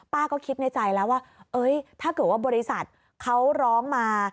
ก็คิดในใจแล้วว่าถ้าเกิดว่าบริษัทเขาร้องมา